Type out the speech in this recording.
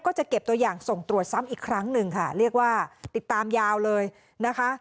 จะเก็บตัวอย่างส่งตรวจซ้ำอีกครั้งหนึ่งค่ะเรียกว่าติดตามยาวเลยนะคะ